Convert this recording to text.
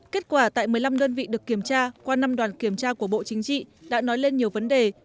kết quả tại một mươi năm đơn vị được kiểm tra qua năm đoàn kiểm tra của bộ chính trị đã nói lên nhiều vấn đề